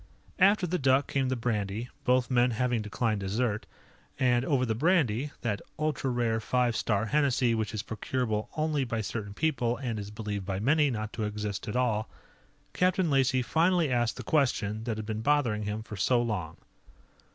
After the duck came the brandy, both men having declined dessert. And over the brandy that ultra rare Five Star Hennessy which is procurable only by certain people and is believed by many not to exist at all Captain Lacey finally asked the question that had been bothering him for so long.